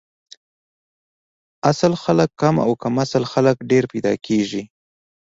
اصل خلک کم او کم اصل خلک ډېر پیدا کیږي